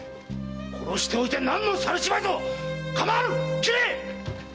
殺しておいて何の猿芝居ぞ⁉構わぬ斬れ‼